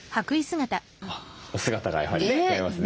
お姿がやはり違いますね。